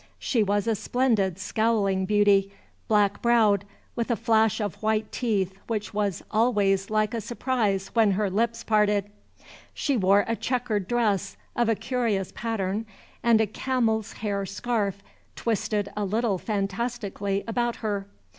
She was a splendid scowling beauty, black browed, with a flash of white teeth which was always like a surprise when her lips parted. She wore a checkered dress, of a curious pattern, and a camel's hair scarf twisted a little fantastically about her.